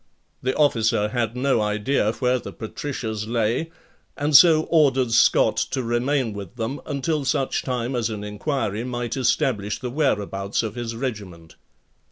The officer had no idea where the Patricias lay and so ordered Scott to remain with them until such time as an inquiry might establish the whereabouts of his regiment.